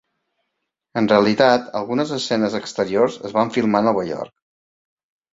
En realitat, algunes escenes exteriors es van filmar a Nova York.